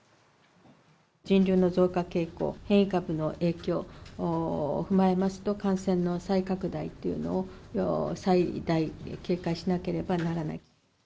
人流の増加傾向、変異株の影響を踏まえますと、感染の再拡大というのを最大警戒しなければならない。